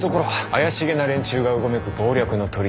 怪しげな連中がうごめく謀略の砦。